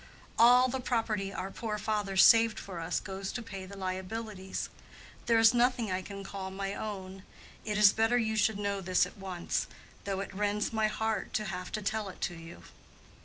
All the property our poor father saved for us goes to pay the liabilities. There is nothing I can call my own. It is better you should know this at once, though it rends my heart to have to tell it you.